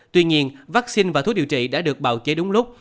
tuy nhiên vắc xin và thuốc điều trị đã được bào chế đúng lúc